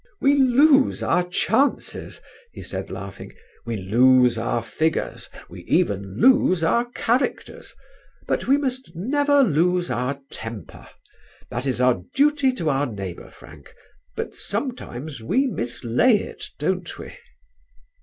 "We lose our chances," he said, laughing, "we lose our figures, we even lose our characters; but we must never lose our temper. That is our duty to our neighbour, Frank; but sometimes we mislay it, don't we?"